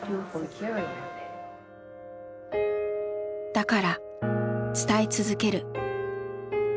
だから伝え続ける。